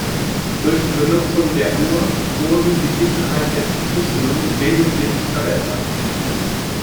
Durch die Benutzung der Uhr wurde die Sicherheit der Verschlüsselung wesentlich verbessert.